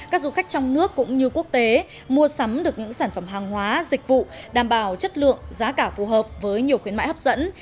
các du khách trong nước cũng như quốc tế mua sắm được những sản phẩm hàng hóa dịch vụ đảm bảo chất lượng giá cả phù hợp với nhiều khuyến mại hấp dẫn